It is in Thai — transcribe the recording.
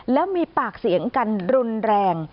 แล้วมีปากเสียงกันรุนแรง